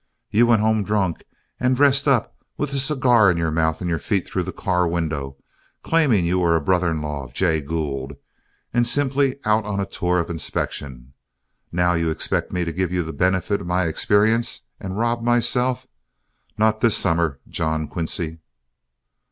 You went home drunk and dressed up, with a cigar in your mouth and your feet through the car window, claiming you was a brother in law to Jay Gould, and simply out on a tour of inspection. Now you expect me to give you the benefit of my experience and rob myself. Not this summer, John Quincy."